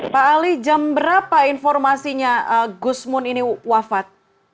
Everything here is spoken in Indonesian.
pak ali jam berapa informasinya gusmun ini wafat